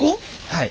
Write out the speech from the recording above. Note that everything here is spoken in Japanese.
はい。